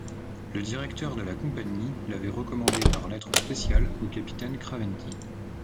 Le directeur de la Compagnie l’avait recommandée par lettre spéciale au capitaine Craventy.